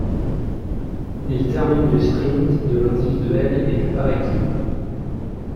Il termine du sprint, de l'individuel et du par équipe.